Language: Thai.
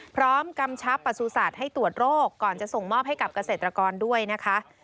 กำชับประสุทธิ์ให้ตรวจโรคก่อนจะส่งมอบให้กับเกษตรกรด้วยนะคะ